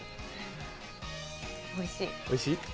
おいしい？